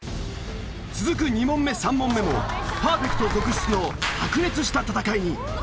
続く２問目３問目もパーフェクト続出の白熱した戦いに。